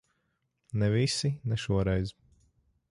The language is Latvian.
Ne visi. Ne šoreiz.